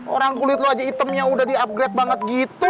orang kulit lo aja hitamnya udah di upgrade banget gitu